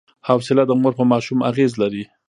حوصله د مور په ماشوم اغېز لري.